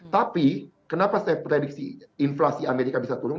tapi kenapa saya prediksi inflasi amerika bisa turun